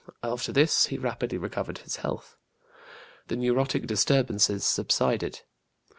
After this he rapidly recovered his health. The neurotic disturbances subsided.